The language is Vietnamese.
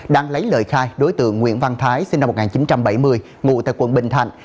đang lấy lời khai đối tượng nguyễn văn thái sinh năm một nghìn chín trăm bảy mươi ngụ tại quận bình thạnh